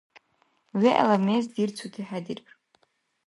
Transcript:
ВегӀла мез дирцути хӀедирар.